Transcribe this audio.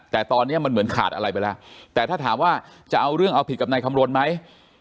แต่ตอนนี้มันเหมือนขาดอะไรไปแล้วแต่ถ้าถามว่าจะเอาเรื่องเอาผิดกับนายคำรณไหม